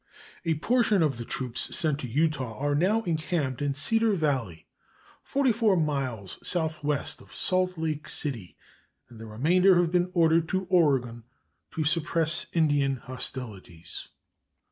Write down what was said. A portion of the troops sent to Utah are now encamped in Cedar Valley, 44 miles southwest of Salt Lake City, and the remainder have been ordered to Oregon to suppress Indian hostilities.